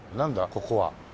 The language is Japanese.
ここは。